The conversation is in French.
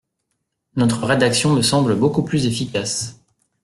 Notre rédaction me semble beaucoup plus efficace.